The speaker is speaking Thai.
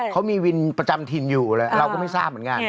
เขามีวินประจำถิ่นอยู่แล้วเราก็ไม่ทราบเหมือนกัน